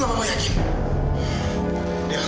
dia bangun dia